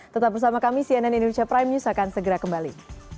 tetap bersama kami cnn indonesia prime news akan segera kembali